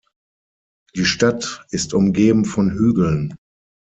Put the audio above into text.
Die Stadt ist umgeben von Hügeln.